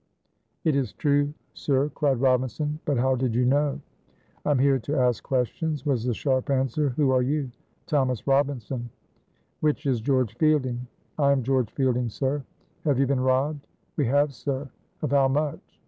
"It is true, sir," cried Robinson, "but how did you know?" "I am here to ask questions," was the sharp answer. "Who are you?" "Thomas Robinson." "Which is George Fielding?" "I am George Fielding, sir. "Have you been robbed?" "We have, sir." "Of how much?"